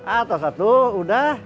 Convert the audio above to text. atau satu udah